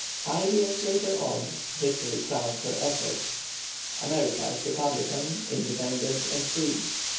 Five years later on, victory crowned her efforts, America is republican, independent, and free.